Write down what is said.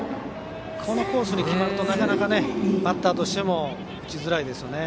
このコースに決まるとなかなかバッターとしても打ちづらいですよね。